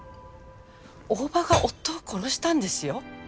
大庭が夫を殺したんですよ